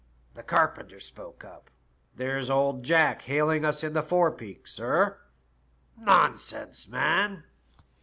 " The carpenter spoke up, ' There's old Jack hailing us in the.forepeak, sir.' "* Nonsense, man.'